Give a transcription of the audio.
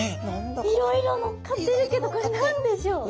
いろいろのっかってるけどこれ何でしょう？